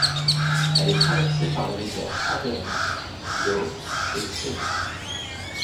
Elle est traversée par les rivières Aveyron, Viaur et Cérou.